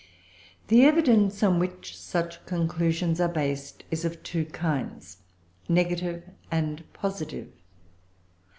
] The evidence on which such conclusions are based is of two kinds, negative and positive.